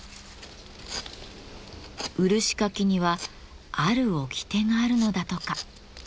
漆かきにはある掟があるのだとか。